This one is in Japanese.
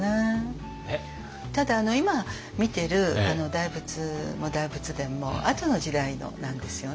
ただ今見ている大仏も大仏殿もあとの時代のなんですよね。